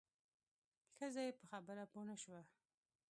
ښځه یې په خبره پوه نه شوه.